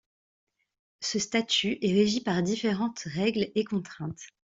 Ce statut est régi par différentes règles et contraintes.